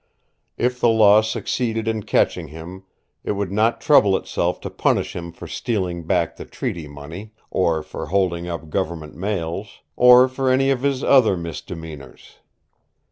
If the law succeeded in catching Him it would not trouble itself to punish him for stealing back the Treaty Money, or for holding up Government mails, or for any of his other misdemeanors.